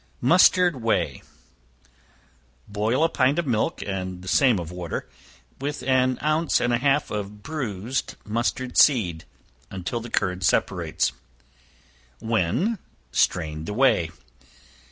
Mustard Whey. Boil a pint of milk, and the same of water, with an ounce and a half of bruised mustard seed, until the curd separates when strain the whey.